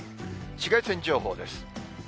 紫外線情報です。